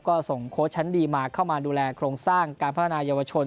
ก็ส่งโค้ชชั้นดีมาเข้ามาดูแลโครงสร้างการพัฒนายาวชน